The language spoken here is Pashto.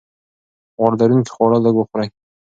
غوړ لرونکي خواړه لږ وخورئ.